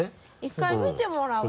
１回見てもらうと。